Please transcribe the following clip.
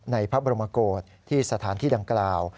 ในพระบรมโกศที่สถานที่ดังกล่าว